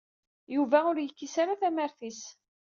Yuba ur yekkis ara tamart-is.